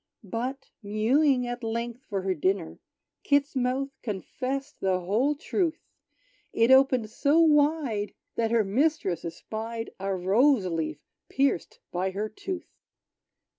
But, mewing at length for her dinner, Kit's mouth confessed the whole truth: It opened so wide that her mistress espied A rose leaf pierced by her tooth!